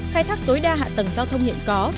khai thác tối đa hạ tầng giao thông hiện có